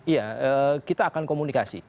iya kita akan komunikasi